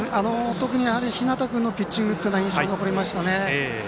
特に日當君のピッチングは印象に残りましたね。